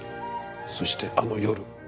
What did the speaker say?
そしてあの夜。